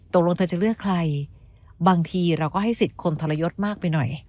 ตกลงเธอจะเลือกใครบางทีเราก็ให้สิทธิ์คนทรยศมากไปหน่อย